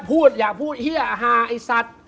พูดอย่าพูดเหี้ยหาไอสัตว์